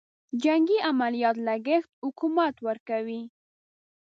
جنګي عملیاتو لګښت حکومت ورکوي.